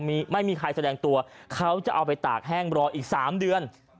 ไม่มีใครแสดงตัวเขาจะเอาไปตากแห้งรออีกสามเดือน